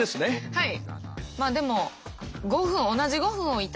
はい。